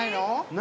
何？